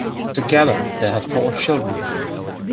Together they had four children.